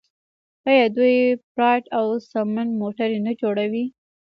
آیا دوی پراید او سمند موټرې نه جوړوي؟